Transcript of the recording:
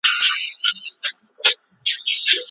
ما به تر راتلونکي جمعې پورې دا پروژه پای ته رسولې وي.